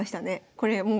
これもう。